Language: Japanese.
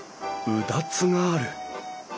うだつがある。